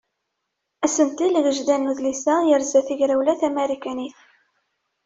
Asentel agejdan n udlis-a yerza tagrawla tamarikanit.